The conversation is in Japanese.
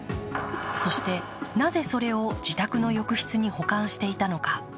そしてなぜ、それを自宅の浴室に保管していたのか。